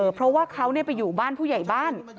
เพราะว่าเขาไปอยู่บ้านผู้ใหญ่บ้าน